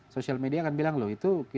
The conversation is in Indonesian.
social media akan bilang loh itu